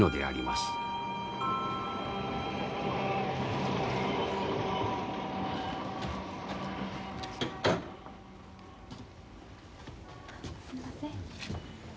すんません。